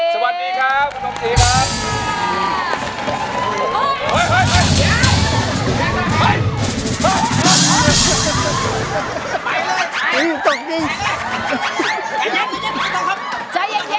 สวัสดีครับคุณสมศีภารณะ